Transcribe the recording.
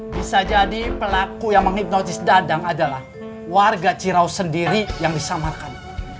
bisa jadi pelaku yang menghipnotis dadang adalah warga cirau sendiri yang disamakan